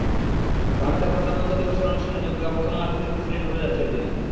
ভারতের প্রজাতন্ত্র দিবসের অনুষ্ঠানে যোগ দেওয়া প্রথম মার্কিন প্রেসিডেন্ট হতে যাচ্ছেন তিনি।